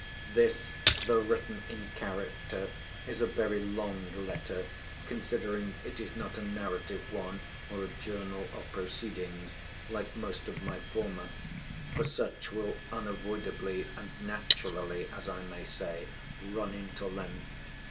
This, though written in character, is a very long letter, considering it is not a narrative one, or a journal of proceedings, like most of my former; for such will unavoidably and naturally, as I may say, run into length.